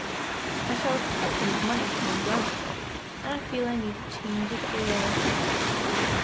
I shall have plenty of money to enjoy myself, and I feel I need a change of air."